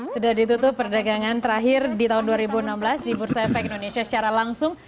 sudah ditutup perdagangan terakhir di tahun dua ribu enam belas di bursa efek indonesia secara langsung